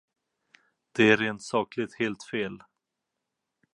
Det är rent sakligt helt fel.